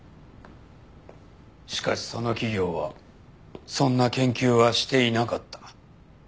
しかしその企業はそんな研究はしていなかった。